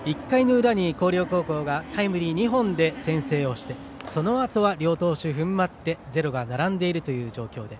１回裏に広陵高校がタイムリー２本で先制をしてそのあとは両投手踏ん張ってゼロが並んでいるという状況。